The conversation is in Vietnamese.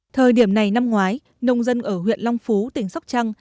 thời điểm này năm ngoái nông dân ở huyện long phú tỉnh sóc trăng